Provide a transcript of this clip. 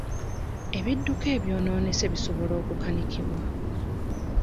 Ebidduka ebyonoonese bisobola okukanikibwa.